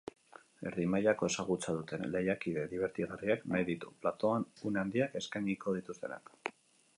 Erdi-mailako ezagutza duten lehiakide dibertigarriak nahi ditu, platoan une handiak eskainiko dituztenak.